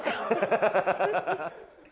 ハハハハ！